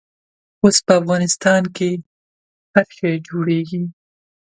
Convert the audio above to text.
اوس په افغانستان کښې هر شی جوړېږي.